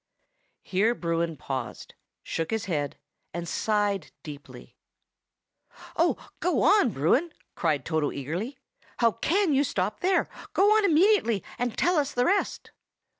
Here Bruin paused, shook his head, and sighed deeply. "Oh! go on, Bruin," cried Toto eagerly. "How can you stop there? Go on immediately, and tell us the rest!"